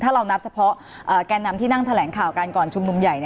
ถ้าเรานับเฉพาะแก่นำที่นั่งแถลงข่าวกันก่อนชุมนุมใหญ่